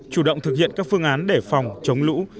chủ động thực hiện các phương án để phòng chống lũ